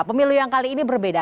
pemilu yang kali ini berbeda